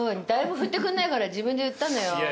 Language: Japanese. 誰も振ってくんないから自分で言ったのよ。